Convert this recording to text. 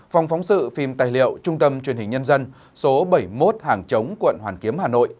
phòng phóng sự phim tài liệu trung tâm truyền hình nhân dân số bảy mươi một hàng chống quận hoàn kiếm hà nội